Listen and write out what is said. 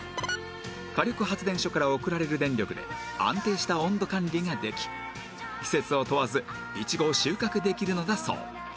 火力発電所から送られる電力で安定した温度管理ができ季節を問わずいちごを収穫できるのだそう